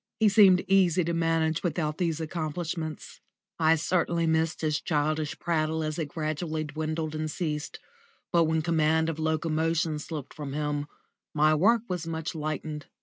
He seemed easy to manage without these accomplishments. I certainly missed his childish prattle as it gradually dwindled and ceased, but when command of locomotion slipped from him my work was much lightened.